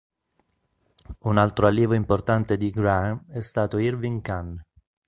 Un altro allievo importante di Graham è stato Irving Kahn.